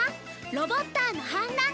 「ロボッターの反乱」